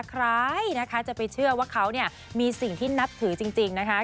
ใครนะคะจะไปเชื่อว่าเขาเนี่ยมีสิ่งที่นับถือจริงนะคะ